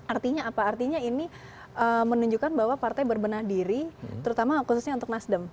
artinya apa artinya ini menunjukkan bahwa partai berbenah diri terutama khususnya untuk nasdem